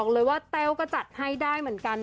เต้าก็จัดให้ได้เหมือนกัน